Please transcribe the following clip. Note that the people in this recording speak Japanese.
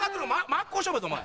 真っ向勝負やぞお前。